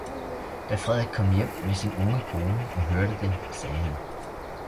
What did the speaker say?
Da Frederik kom hjem med sin unge kone og hørte det, sagde han.